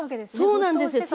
そうなんですよ。